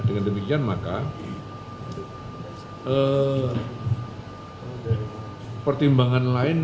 dengan demikian maka pertimbangan lain